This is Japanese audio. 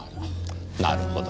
なるほど。